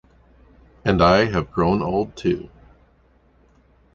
And I have grown old too.